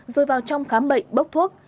rồi vào trong khám bệnh bốc thuốc